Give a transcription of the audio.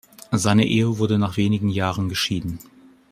Seine Ehe wurde nach wenigen Jahren geschieden.